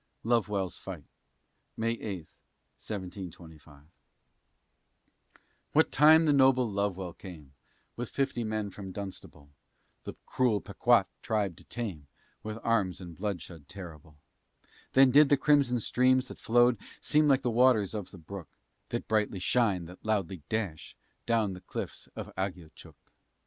LOVEWELL'S FIGHT [May 8, 1725] What time the noble Lovewell came, With fifty men from Dunstable, The cruel Pequa'tt tribe to tame, With arms and bloodshed terrible, Then did the crimson streams, that flowed, Seem like the waters of the brook, That brightly shine, that loudly dash Far down the cliffs of Agiochook.